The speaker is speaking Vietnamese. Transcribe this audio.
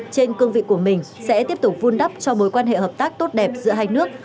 trên cương vị của mình sẽ tiếp tục vun đắp cho mối quan hệ hợp tác tốt đẹp giữa hai nước